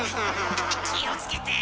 気を付けて！